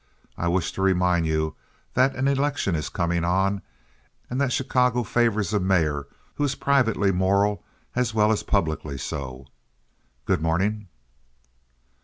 I wish to remind you that an election is coming on, and that Chicago favors a mayor who is privately moral as well as publicly so. Good morning."